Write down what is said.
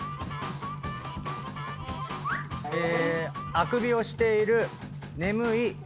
あくびをしている眠い。